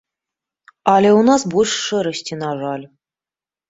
Але ў нас больш шэрасці, на жаль.